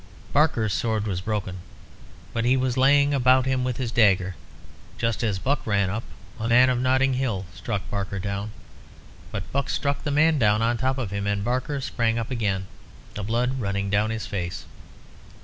Barker's sword was broken, but he was laying about him with his dagger. Just as Buck ran up, a man of Notting Hill struck Barker down, but Buck struck the man down on top of him, and Barker sprang up again, the blood running down his face.